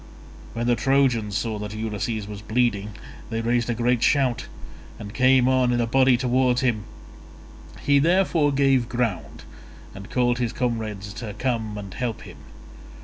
When the Trojans saw that Ulysses was bleeding they raised a great shout and came on in a body towards him; he therefore gave ground, and called his comrades to come and help him.